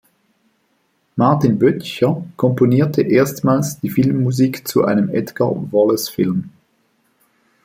Martin Böttcher komponierte erstmals die Filmmusik zu einem Edgar-Wallace-Film.